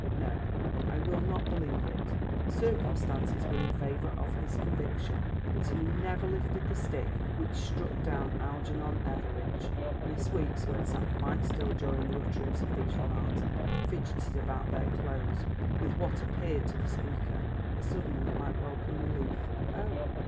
No, I will not believe it. Circumstances were in favour of his conviction, but he never lifted the stick which struck down Algernon Etheridge." Miss Weeks, who had sat quite still during the utterance of these remarks, fidgetted about at their close, with what appeared to the speaker, a sudden and quite welcome relief. "Oh!"